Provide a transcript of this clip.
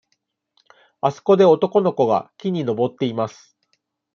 あそこで男の子が木に登っています。